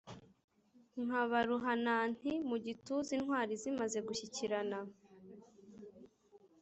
Nkaba ruhananti mu gituza intwari zimaze gushyikirana;